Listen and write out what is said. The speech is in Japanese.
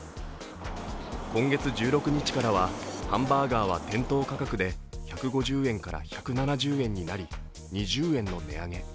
今月１６日からは、ハンバーガーは店頭価格で１５０円から１７０円になり、２０円の値上げ。